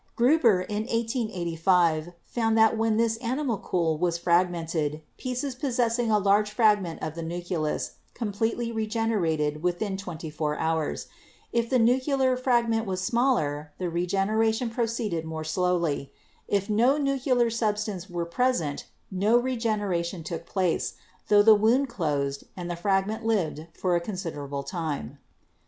Gruber in 1885 found that when this animalcule was frag mented, pieces possessing a large fragment of the nucleus completely regenerated within twenty four hours. If the nuclear fragment were smaller, the regeneration proceeded more slowly. If no nuclear substance were present, no re generation took place, tho the wound closed and the frag ment lived for a considerable time.